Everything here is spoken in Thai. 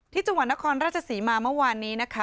ที่จังหวัดนครราชศรีมาเมื่อวานนี้นะคะ